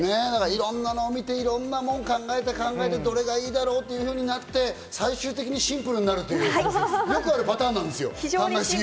いろんなのを見ていろんなものを考えて考えてどれがいいだろう？となって、最終的にシンプルになるという、よくあるパターンです。